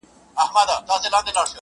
ماته خوښي راكوي_